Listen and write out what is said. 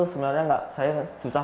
sebenarnya saya susah